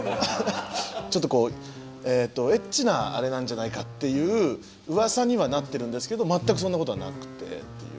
ちょっとこうえっとエッチなあれなんじゃないかっていううわさにはなってるんですけど全くそんなことはなくてっていう。